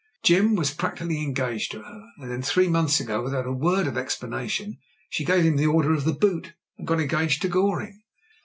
"Jim was practically engaged to her; and then, three months ago, without a word of explanation, she gave him the order of the boot, and got engaged to Goring."